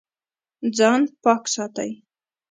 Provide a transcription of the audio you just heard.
ځان پاک ساتئ